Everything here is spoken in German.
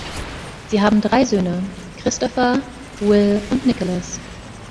Sie haben drei Söhne: Christopher, Will und Nicholas.